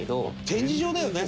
展示場だよね